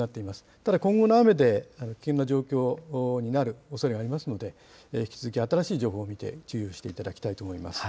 ただ今後の雨で危険な状況になるおそれがありますので、引き続き新しい情報を見て、注意をしていただきたいと思います。